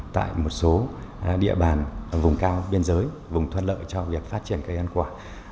tại một số địa bàn vùng cao biên giới vùng thuận lợi cho việc phát triển cây ăn quả